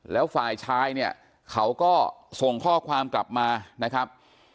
แล้วฝ่ายชายเนี่ยเขาก็ส่งข้อความกลับมานะครับ